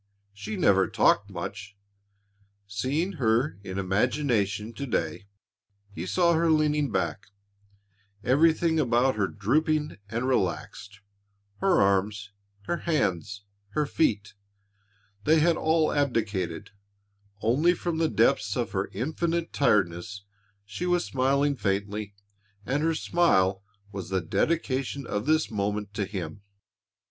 She never talked much. Seeing her in imagination to day, he saw her leaning back, everything about her drooping and relaxed, her arms, her hands, her feet they had all abdicated only from the depths of her infinite tiredness she was smiling faintly and her smile was the dedication of this moment to him.